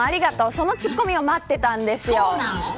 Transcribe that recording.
そのツッコミを待っていたんです。